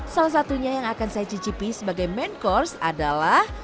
salah satunya yang akan saya cicipi sebagai main course adalah